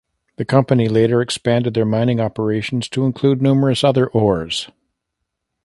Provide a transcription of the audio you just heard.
The company later expanded their mining operations to include numerous other ores.